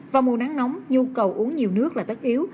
vào mùa nắng nóng nhu cầu uống nhiều nước là tất yếu